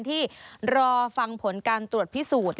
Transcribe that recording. ที่รอฟังผลการตรวจพิสูจน์